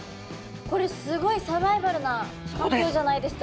これすごいサバイバルな環境じゃないですか。